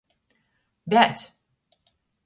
Biedz!